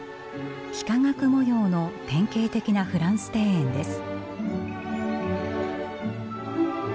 幾何学模様の典型的なフランス庭園です。